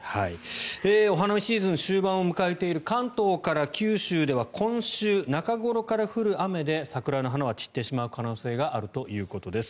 お花見シーズン終盤を迎えている関東から九州では今週中頃から降る雨で桜の花は散ってしまう可能性があるということです。